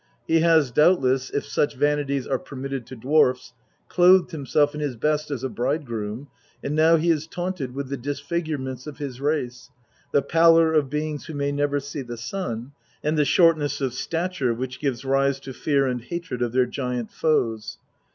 He has doubtless, if such vanities are permitted to dwarfs, clothed himself in his best as a bridegroom, and now he is taunted with the disfigurements of his race, the pallor of beings who may never see the sun, and the shortness of stature which gives rise to fear and hatred of their giant foes.